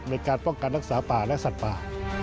ในการป้องกันรักษาป่าและสัตว์ป่า